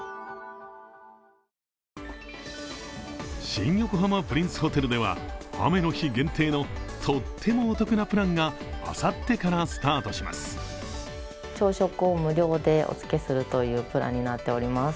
新横浜プリンスホテルでは雨の日限定のとってもお得なプランがあさってからスタートします。